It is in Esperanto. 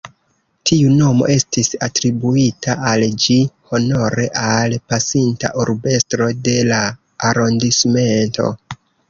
Tiu nomo estis atribuita al ĝi honore al pasinta urbestro de la arondismento.